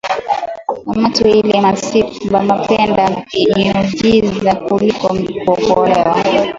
Bantu iyi masiku banapenda miujiza kuliko kuokolewa